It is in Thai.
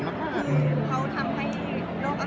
ส่วนตัวพี่อ้ำประทับใจเจ้าตัวไหน